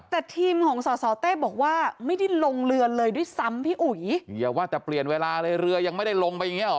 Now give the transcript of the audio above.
แต่ทีมของสอสอเต้บอกว่าไม่ได้ลงเรือเลยด้วยซ้ำพี่อุ๋ยอย่าว่าแต่เปลี่ยนเวลาเลยเรือยังไม่ได้ลงไปอย่างเงี้หรอ